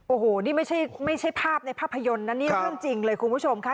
โอ้โหนี่ไม่ใช่ภาพในภาพยนตร์นะนี่เรื่องจริงเลยคุณผู้ชมค่ะ